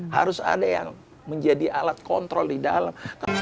harus ada yang menjadi alat kontrol di dalam